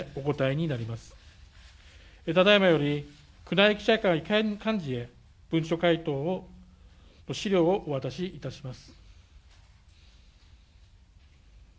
ただいまより、宮内記者から幹事へ文書回答の資料をお渡しいたします。